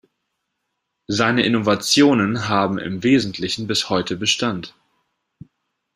Seine Innovationen haben im Wesentlichen bis heute Bestand.